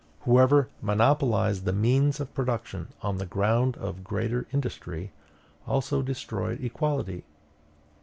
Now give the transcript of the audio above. Whoever monopolized the means of production on the ground of greater industry, also destroyed equality.